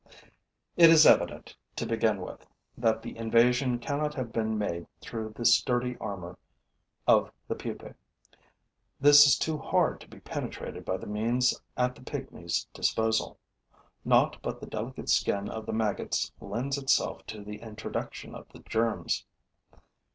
It is evident, to begin with, that the invasion cannot have been made through the sturdy amour of the pupae. This is too hard to be penetrated by the means at the pigmy's disposal. Naught but the delicate skin of the maggots lends itself to the introduction of the germs.